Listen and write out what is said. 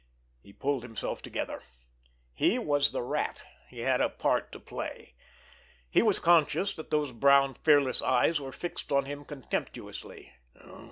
He pulled himself together. He was the Rat—he had a part to play. He was conscious that those brown, fearless eyes were fixed on him contemptuously.